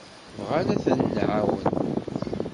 Bɣan ad ten-nɛawen.